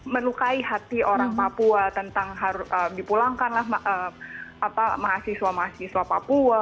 menukai hati orang papua tentang harus dipulangkan lah mahasiswa mahasiswa papua